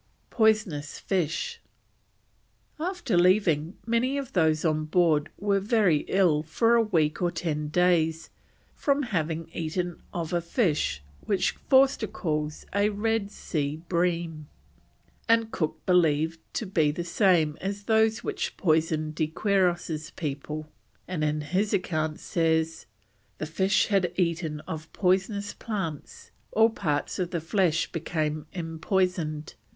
POISONOUS FISH. After leaving, many of those on board were very ill for a week or ten days from having eaten of a fish which Forster calls a red sea bream, and Cook believed to be the same as those which poisoned de Quiros's people, and in his account says that: "The fish had eaten of poisonous plants, all parts of the flesh became empoisoned.